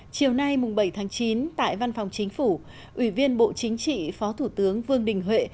chiều nay bảy tháng chín tại văn phòng chính phủ ủy viên bộ chính trị phó thủ tướng vương đình huệ